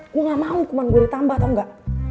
gua gak mau hukuman gua ditambah tau gak